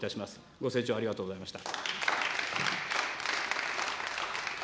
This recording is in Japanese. ご清聴ありがとうございました。